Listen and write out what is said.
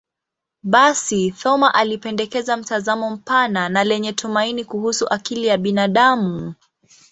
Basi, Thoma alipendekeza mtazamo mpana na lenye tumaini kuhusu akili ya binadamu.